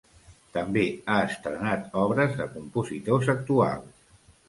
També ha estrenat obres de compositors actuals.